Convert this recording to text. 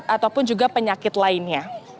ataupun juga penyakit lainnya